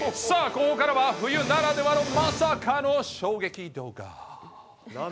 さあ、ここからは冬ならではのまさかの衝撃動画。